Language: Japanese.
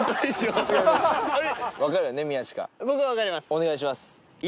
お願いします。